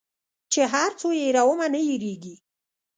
چي هر څو یې هېرومه نه هیریږي